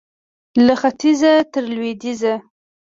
له ختیځه تر لوېدیځه